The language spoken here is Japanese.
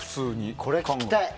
これ聞きたい。